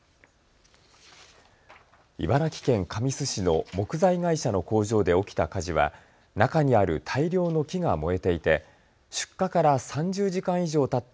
茨城県神栖市の木材会社の工場で起きた火事は中にある大量の木が燃えていて出火から３０時間以上たった